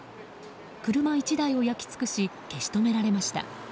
車１台を焼き尽くし消し止められました。